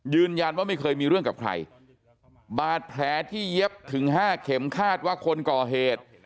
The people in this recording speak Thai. ไม่เคยมีเรื่องกับใครบาดแผลที่เย็บถึงห้าเข็มคาดว่าคนก่อเหตุ